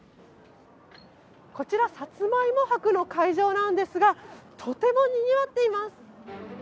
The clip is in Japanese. こちら、さつまいも博の会場なんですが、とてもにぎわっています。